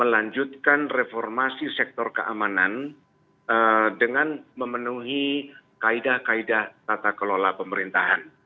melanjutkan reformasi sektor keamanan dengan memenuhi kaedah kaedah tata kelola pemerintahan